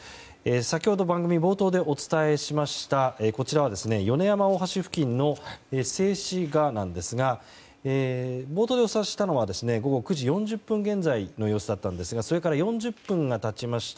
先ほど番組冒頭でお伝えしました静止画なんですが冒頭でお伝えしたのは９時４０分現在の様子だったんですがそれから４０分が経ちました